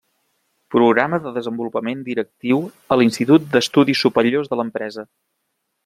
Programa de Desenvolupament Directiu a l'Institut d'Estudis Superiors de l'Empresa.